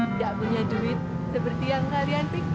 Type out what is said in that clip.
tidak punya duit seperti yang kalian pikir